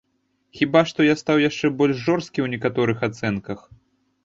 Хіба што я стаў яшчэ больш жорсткі ў некаторых ацэнках.